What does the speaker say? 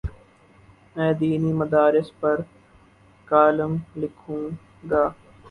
میں دینی مدارس پر کالم لکھوں گا۔